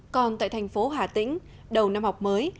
còn tại thành phố hà tĩnh đầu năm học mới